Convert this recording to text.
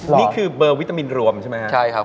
นี่คือเบอร์วิตามินรวมใช่ไหมครับ